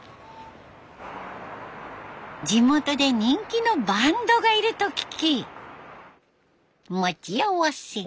地元で人気のバンドがいると聞き待ち合わせ。